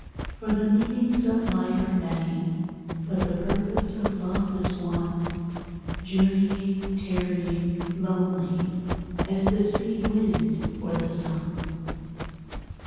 _ _For the meanings of life are many, But the purpose of love is one, Journeying, tarrying, lonely As the sea wind or the sun.